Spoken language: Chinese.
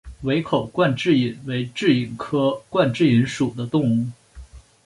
围口冠蛭蚓为蛭蚓科冠蛭蚓属的动物。